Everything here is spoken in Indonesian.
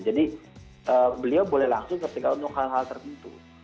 jadi beliau boleh langsung ketika untuk hal hal tertentu